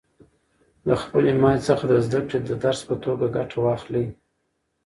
له خپلې ماتې څخه د زده کړې د درس په توګه ګټه واخلئ.